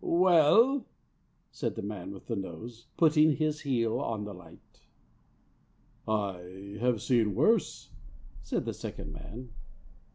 "Well?" said the man with the nose, putting his heel on the light. "I have seen worse," said the second man.